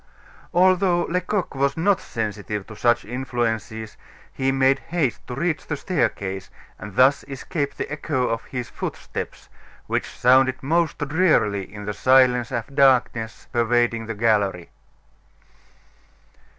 Although Lecoq was not sensitive to such influences, he made haste to reach the staircase and thus escape the echo of his footsteps, which sounded most drearily in the silence and darkness pervading the gallery.